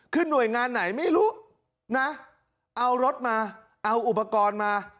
คือหน่วยงานไหนไม่รู้นะเอารถมาเอาอุปกรณ์มา